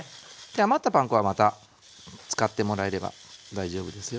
余ったパン粉はまた使ってもらえれば大丈夫ですよ。